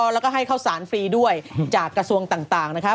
แล้วก็ให้ข้าวสารฟรีด้วยจากกระทรวงต่างนะครับ